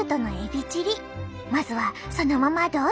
まずはそのままどうぞ。